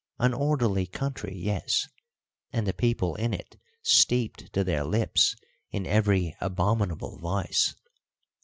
An orderly country, yes, and the people in it steeped to their lips in every abominable vice!